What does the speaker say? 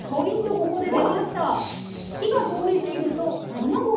ここで出ました！